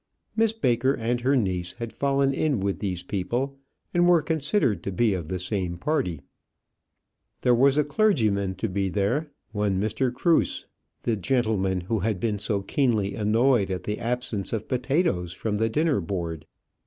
Miss Baker and her niece had fallen in with these people, and were considered to be of the same party. There was a clergyman to be there, one Mr. Cruse, the gentleman who had been so keenly annoyed at the absence of potatoes from the dinner board.